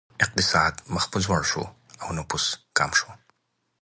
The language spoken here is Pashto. اقتصاد مخ په ځوړ شو او نفوس کم شو.